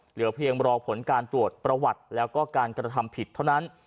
เหลือเพียงรอผลการตรวจประวัติแล้วก็การกระทำผิดเท่านั้น